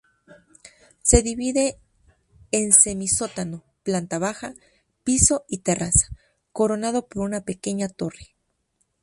Se divide en semisótano, planta baja, piso y terraza, coronado por una pequeña torre.